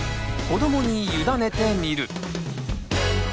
「子どもにゆだねてみる」。